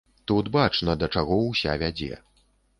Тут бачна, да чаго ўся вядзе.